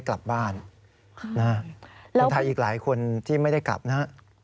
คุณไทยอีกหลายคนที่ไม่ได้กลับนะ